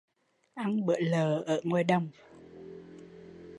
Ăn bữa lợ ở ngoài đồng